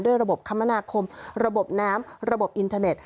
ระบบคมนาคมระบบน้ำระบบอินเทอร์เน็ต